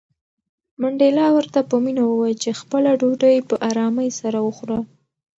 منډېلا ورته په مینه وویل چې خپله ډوډۍ په آرامۍ سره وخوره.